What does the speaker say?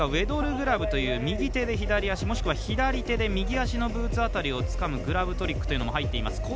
さらにはグラブですが右手で左足、もしくは左手で右足のブーツ辺りをつかむグラブトリックも入っています。